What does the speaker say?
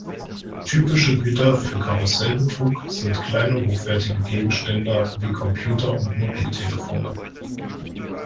Typische Güter für Karussellbetrug sind kleine hochwertige Gegenstände wie Computer und Mobiltelefone.